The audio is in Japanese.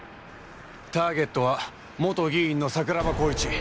ターゲットは元議員の桜庭紘一。